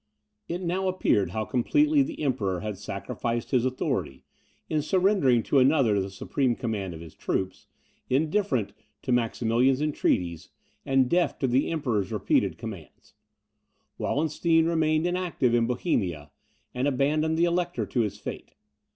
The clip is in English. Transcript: It now appeared how completely the Emperor had sacrificed his authority, in surrendering to another the supreme command of his troops. Indifferent to Maximilian's entreaties, and deaf to the Emperor's repeated commands, Wallenstein remained inactive in Bohemia, and abandoned the Elector to his fate.